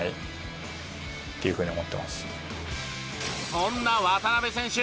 そんな渡邊選手